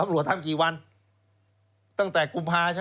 เล่นแทบตายอะ